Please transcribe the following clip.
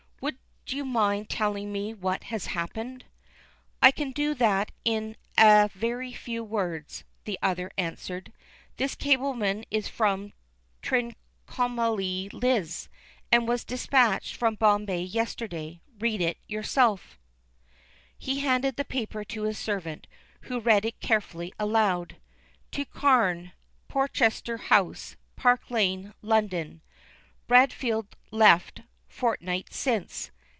"Would you mind telling me what has happened?" "I can do that in a very few words," the other answered. "This cablegram is from Trincomalee Liz, and was dispatched from Bombay yesterday. Read it for yourself." He handed the paper to his servant, who read it carefully aloud: To CARNE, Portchester House, Park Lane, London. Bradfield left fortnight since.